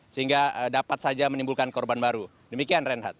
sehingga dapat saja menimbulkan korban baru demikian reinhardt